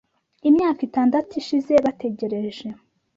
Imyaka itandatu ishize bategereje